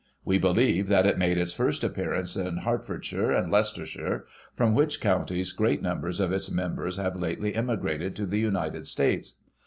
We believe that it made its first appearance in Hertfordshire and Leices tershire, from which counties great numbers of its members have lately emigrated to the United States.